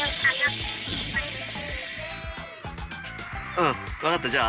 うん分かったじゃあ。